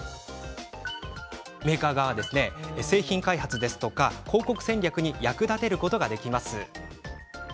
メーカー側は製品開発や広告戦略に役立てることができます。